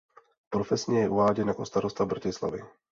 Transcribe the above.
Profesně je uváděn jako starosta Bratislavy.